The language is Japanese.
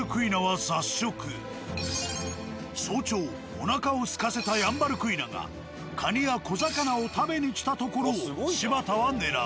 早朝おなかをすかせたヤンバルクイナがカニや小魚を食べに来たところを柴田は狙う。